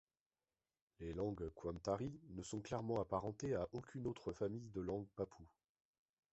Les langues kwomtari ne sont clairement apparentées à aucune autre famille de langues papoues.